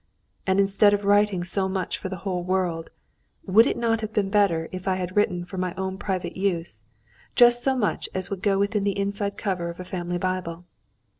And instead of writing so much for the whole world, would it not have been better if I had written for my own private use, just so much as would go within the inside cover of a family Bible?